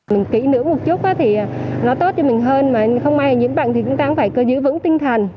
mình kỹ lưỡng một chút thì nó tốt cho mình hơn mà không may nhiễm bệnh thì chúng ta cũng phải giữ vững tinh thần